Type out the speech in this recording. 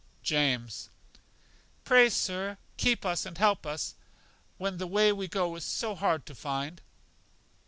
James: Pray, Sir, keep with us and help us, when the way we go is so hard to find.